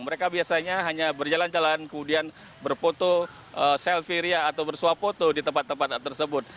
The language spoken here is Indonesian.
mereka biasanya hanya berjalan jalan kemudian berfoto selfie ria atau bersuap foto di tempat tempat tersebut